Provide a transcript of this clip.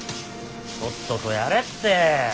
とっととやれって！